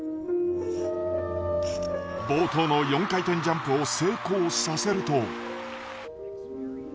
冒頭の４回転ジャンプを成功させると。